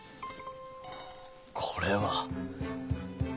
これは」。